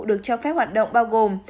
được cho phép hoạt động bao gồm